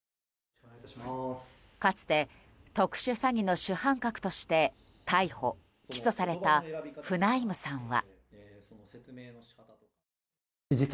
かつて特殊詐欺の主犯格として逮捕・起訴されたフナイムさんは。